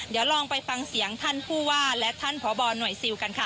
เดี๋ยวลองไปฟังเสียงท่านผู้ว่าและท่านพบหน่วยซิลกันค่ะ